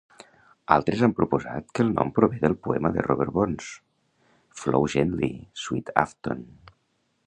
Altres han proposat que el nom prové del poema de Robert Burns "Flow Gently Sweet Afton".